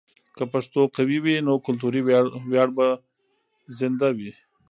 که پښتو قوي وي، نو کلتوري ویاړ به زنده وي.